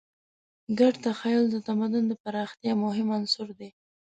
ګډ تخیل د تمدن د پراختیا مهم عنصر دی.